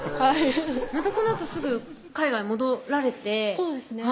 またこのあとすぐ海外戻られてそうですね